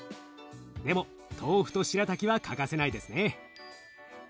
でも豆腐としらたきは欠かせないですね。